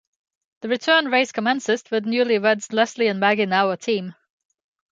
The return race commences, with newlyweds Leslie and Maggie now a team.